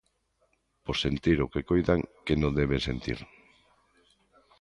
Por sentir o que coidan que non deben sentir.